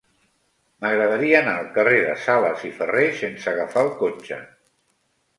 M'agradaria anar al carrer de Sales i Ferré sense agafar el cotxe.